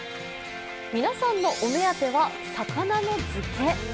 皆さんのお目当ては魚の漬け。